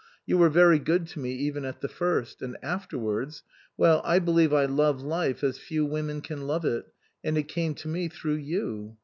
You were very good to me even at the first ; and afterwards well, I believe I love life as few women can love it, and it came to me through you.